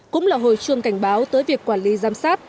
cũng là hồi chuông cảnh báo tới việc quản lý giám sát